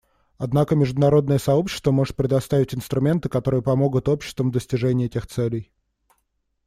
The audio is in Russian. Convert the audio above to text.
Однако международное сообщество может предоставить инструменты, которые помогут обществам в достижении этих целей.